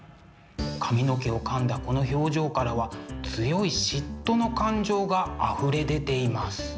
髪の毛をかんだこの表情からは強い嫉妬の感情があふれ出ています。